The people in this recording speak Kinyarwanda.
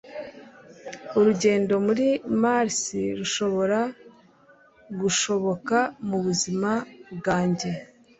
Urugendo kuri Mars rushobora gushoboka mubuzima bwanjye.